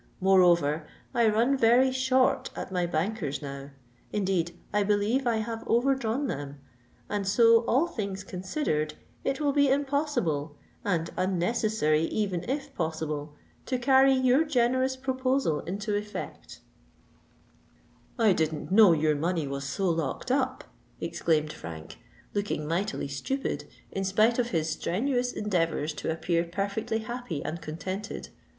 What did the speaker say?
Moreover, I run very short at my banker's now—indeed, I believe I have overdrawn them—and so, all things considered, it will be impossible, and unnecessary even if possible, to carry your generous proposal into effect." "I didn't know your money was so locked up!" exclaimed Frank, looking mightily stupid, in spite of his strenuous endeavours to appear perfectly happy and contented.